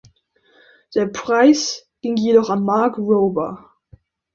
Der Preis ging jedoch an Mark Rober.